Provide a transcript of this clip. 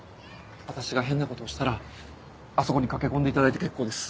私が変なことをしたらあそこに駆け込んでいただいて結構です。